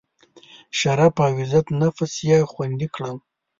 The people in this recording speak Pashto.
شرف او عزت نفس یې خوندي کړم.